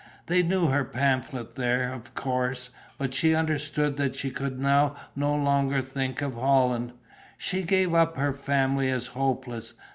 They knew her pamphlet there, of course. But she understood that she could now no longer think of Holland. She gave up her family as hopeless.